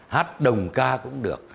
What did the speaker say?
hát đồng ca cũng được